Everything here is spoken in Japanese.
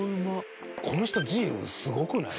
この人字すごくない？